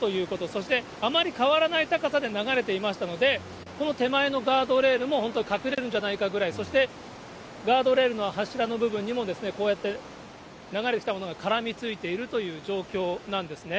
そして、あまり変わらない高さで流れていましたので、この手前のガードレールも、本当に隠れるんじゃないかぐらい、そしてガードレールの柱の部分にも、こうやって、流れてきたものが絡みついているという状況なんですね。